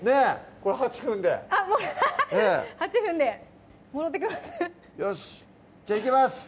これ８分で８分で戻ってきますよしじゃあいきます！